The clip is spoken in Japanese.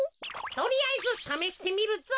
とりあえずためしてみるぞ。